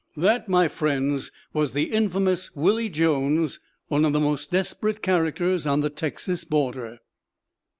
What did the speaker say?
"That, my friends, was the infamous Willie Jones, one of the most desperate characters on the Texas border."